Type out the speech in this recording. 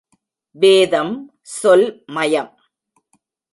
வேதம் சொல் மயம்.